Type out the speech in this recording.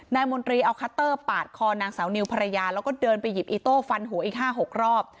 มนตรีเอาคัตเตอร์ปาดคอนางสาวนิวภรรยาแล้วก็เดินไปหยิบอีโต้ฟันหัวอีก๕๖รอบ